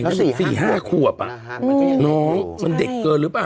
แล้วเด็ก๔๕ขวบน้องมันเด็กเกินหรือเปล่า